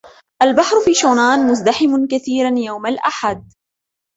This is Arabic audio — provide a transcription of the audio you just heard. البحر في شونان مزدحم كثيراً يوم الأحد.